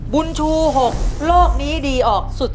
บุญชู๖โลกนี้ดีออกสุด